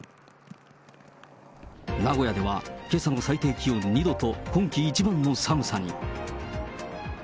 名古屋ではけさの最低気温２度と今季一番の寒さに。